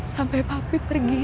sampai papih pergi